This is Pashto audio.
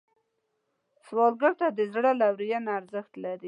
سوالګر ته د زړه لورینه ارزښت لري